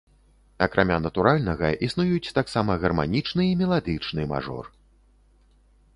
Акрамя натуральнага, існуюць таксама гарманічны і меладычны мажор.